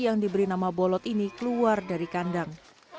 yang diberi nama bolot ini keluar dari kandang